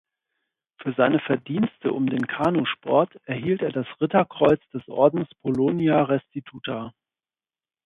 Für seine Verdienste um den Kanusport erhielt er das Ritterkreuz des Ordens Polonia Restituta.